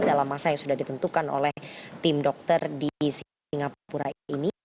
dalam masa yang sudah ditentukan oleh tim dokter di singapura ini